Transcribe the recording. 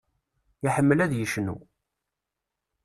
Iḥemmel ad yecnu.